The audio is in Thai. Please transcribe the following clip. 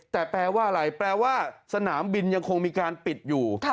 แต่แปลว่าสนามบินยังคงมีการปิดอยู่